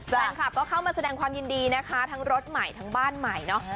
แฟนคลับก็เข้ามาแสดงความยินดีนะคะทั้งรถใหม่ทั้งบ้านใหม่เนาะ